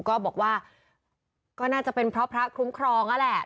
ก็บอกว่าก็น่าจะเป็นเพราะพระคุ้มครองนั่นแหละ